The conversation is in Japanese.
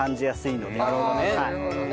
ああなるほどね。